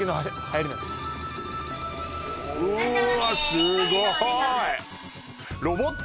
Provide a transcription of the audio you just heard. すごーい